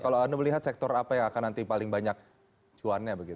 kalau anda melihat sektor apa yang akan nanti paling banyak cuannya